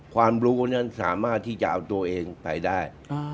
ความรู้นั้นสามารถที่จะเอาตัวเองไปได้